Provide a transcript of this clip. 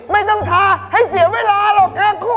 ไม่ต้องทาให้เสียเวลาหรอกทั้งคู่